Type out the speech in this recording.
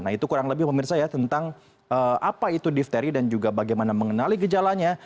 nah itu kurang lebih pemirsa ya tentang apa itu difteri dan juga bagaimana mengenali gejalanya